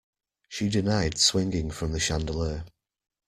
She denied swinging from the chandelier.